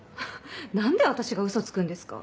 何で私がウソつくんですか？